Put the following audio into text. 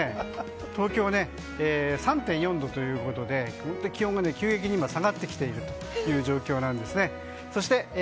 東京は、３．４度ということで気温が急激に下がってきている状況です。